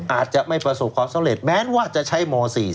อาจจะไม่ประสบความสำเร็จแม้ว่าจะใช้ม๔๔